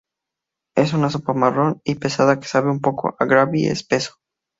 Es una sopa marrón y pesada que sabe un poco a "gravy" espeso.